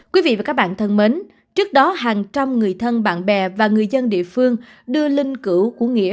quý vị và các bạn thân mến trước đó hàng trăm người thân bạn bè và người dân địa phương đưa linh cửu của nghĩa